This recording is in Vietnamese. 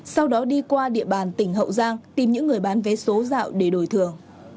sau đó đi qua địa bàn tỉnh hậu giang tìm những người bán vé số giả để đổi thưởng